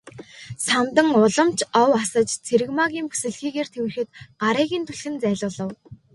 Самдан улам ч ов асаж Цэрэгмаагийн бүсэлхийгээр тэврэхэд гарыг нь түлхэн зайлуулав.